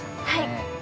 はい。